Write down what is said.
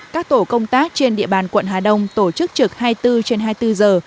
các tổ công tác trên địa bàn quận hà đông tổ chức trực hai mươi bốn trên hai mươi bốn giờ